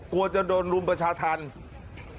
กลัวจะโดนรุมประชาธรรม